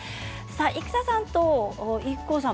生田さんとＩＫＫＯさん